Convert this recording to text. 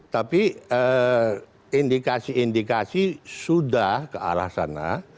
tapi indikasi indikasi sudah ke arah sana